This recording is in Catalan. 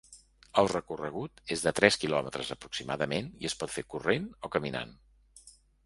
El recorregut és de tres quilòmetres aproximadament i es pot fer corrent o caminant.